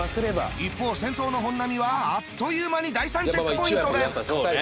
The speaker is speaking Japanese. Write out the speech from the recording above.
一方先頭の本並はあっという間に第３チェックポイントです。